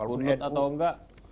kurnut atau enggak